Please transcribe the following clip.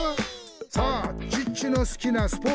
「さぁチッチの好きなスポーツが」